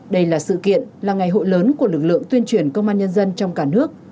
đây là sự kiện là ngày hội lớn của lực lượng tuyên truyền công an nhân dân trong cả nước